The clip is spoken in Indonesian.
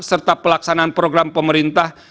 serta pelaksanaan program pemerintah